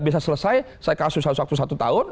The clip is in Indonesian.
bisa selesai saya kasus satu satu satu tahun